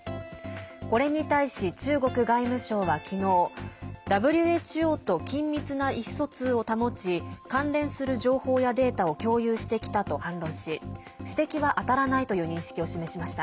これに対し、中国外務省は昨日ＷＨＯと緊密な意思疎通を保ち関連する情報やデータを共有してきたと反論し指摘は当たらないという認識を示しました。